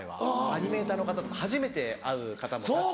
アニメーターの方とか初めて会う方もたくさん。